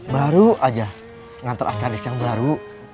baru aja ngantor askadis yang baru